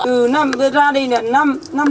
từ năm ra đây đến năm